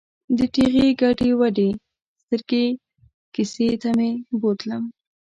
د ټېغې ګډې ودې سترګې کیسې ته مې بوتلم.